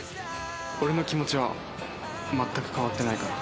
俺の気持ちは全く変わってないから。